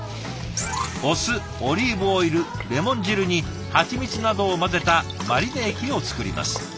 お酢オリーブオイルレモン汁にハチミツなどを混ぜたマリネ液を作ります。